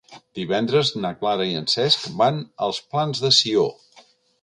Divendres na Clara i en Cesc van als Plans de Sió.